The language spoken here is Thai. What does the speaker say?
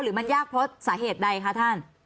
มันยากเพราะสาเหตุใดคะท่าน